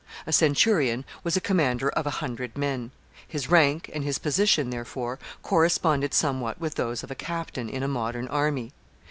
A centurion was a commander of a hundred men; his rank and his position therefore, corresponded somewhat with those of a captain in a modern army.